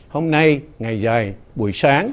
hôm nay ngày dài buổi sáng